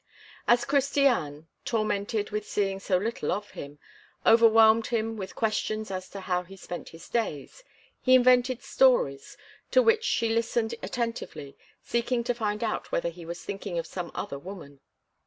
As Christiane, tormented with seeing so little of him, overwhelmed him with questions as to how he spent his days, he invented stories, to which she listened attentively, seeking to find out whether he was thinking of some other woman.